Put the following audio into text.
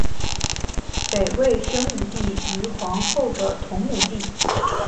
北魏宣武帝于皇后的同母弟。